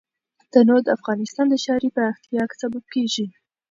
تنوع د افغانستان د ښاري پراختیا سبب کېږي.